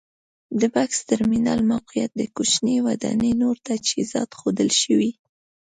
د بکس ترمینل موقعیت او د کوچنۍ ودانۍ نور تجهیزات ښودل شوي.